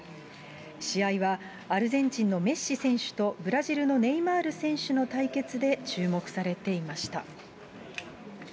試合はアルゼンチンのメッシ選手とブラジルのネイマール選手の対決で注目されていました。